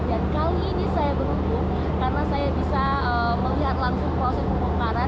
dan kali ini saya berhubung karena saya bisa melihat langsung proses pembukaan